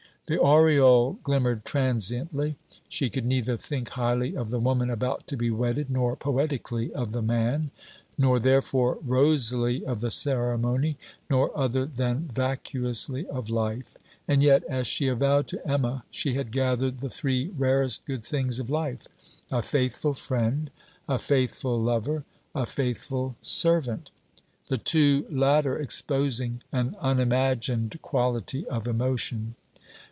The aureole glimmered transiently: she could neither think highly of the woman about to be wedded, nor poetically of the man; nor, therefore, rosily of the ceremony, nor other than vacuously of life. And yet, as she avowed to Emma, she had gathered the three rarest good things of life: a faithful friend, a faithful lover, a faithful servant: the two latter exposing an unimagined quality of emotion.